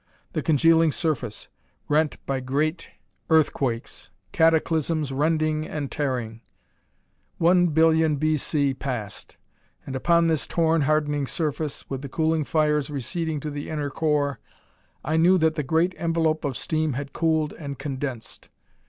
The congealing surface rent by great earthquakes; cataclysms rending and tearing.... 1,000,000,000 B. C. passed. And upon this torn, hardening surface, with the cooling fires receding to the inner core, I knew that the great envelope of steam had cooled and condensed.